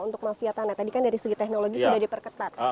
untuk mafia tanah tadi kan dari segi teknologi sudah diperketat